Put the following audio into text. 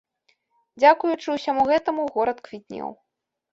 Дзякуючы ўсяму гэтаму горад квітнеў.